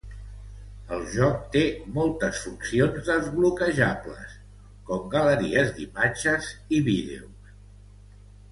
El joc té moltes funcions desbloquejables, com galeries d'imatges i vídeos.